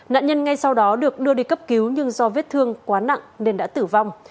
nạn nhân ngay sau đó được đưa đi cấp cứu nhưng do vết thương quá nặng nên đã tử vong